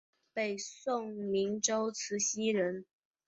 北宋明州慈溪人。